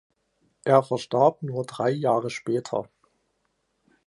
Er verstarb nur drei Jahre später.